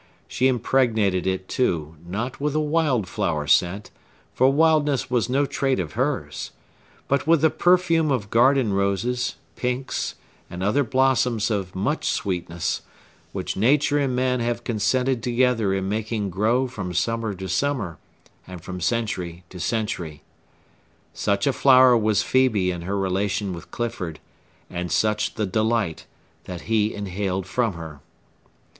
She impregnated it, too, not with a wild flower scent,—for wildness was no trait of hers,—but with the perfume of garden roses, pinks, and other blossoms of much sweetness, which nature and man have consented together in making grow from summer to summer, and from century to century. Such a flower was Phœbe in her relation with Clifford, and such the delight that he inhaled from her.